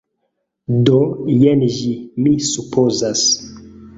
Do, jen ĝi. Mi supozas.